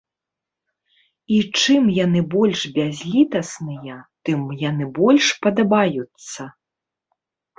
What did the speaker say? І чым яны больш бязлітасныя, тым яны больш падабаюцца.